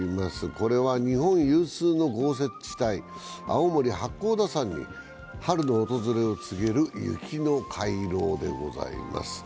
これは日本有数の豪雪地帯青森・八甲田山に春の訪れを告げる雪の回廊でございます。